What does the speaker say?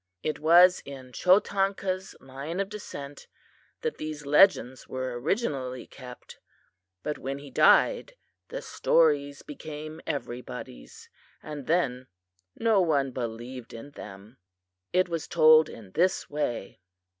It was in Chotanka's line of descent that these legends were originally kept, but when he died the stories became everybody's, and then no one believed in them. It was told in this way."